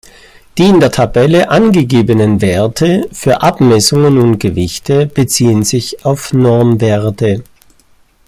Die in der Tabelle angegebenen Werte für Abmessungen und Gewichte beziehen sich auf Normwerte.